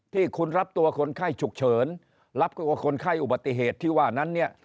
ที่คุณรับตัวคนไข้ฉุกเฉินรับตัวคนไข้อุบัติเหตุที่ว่านั้นเนี่ย